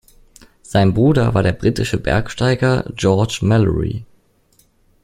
Sein Bruder war der britische Bergsteiger George Mallory.